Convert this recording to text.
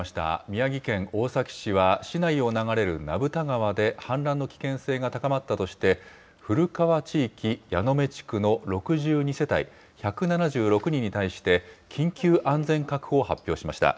宮城県大崎市は、市内を流れるなぶた川で、氾濫の危険性が高まったとして、古川地域やのめ地区の６２世帯１７６人に対して、緊急安全確保を発表しました。